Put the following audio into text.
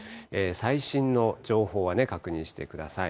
最新の情報は確認してください。